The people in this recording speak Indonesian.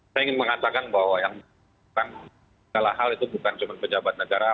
saya ingin mengatakan bahwa yang bukan segala hal itu bukan cuma pejabat negara